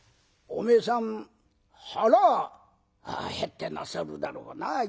おめえさん腹減ってなさるだろうな。